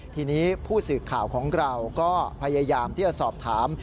ทีนี้ผู้สื่อข่าวของเราก็พยายามที่จะสอบถาม